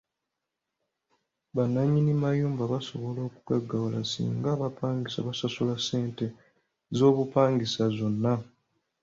Bannannyini mayumba basobola okugaggawala singa abapangisa basasula ssente z'obupangisa zonna.